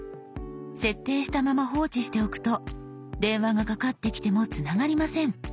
設定したまま放置しておくと電話がかかってきてもつながりません。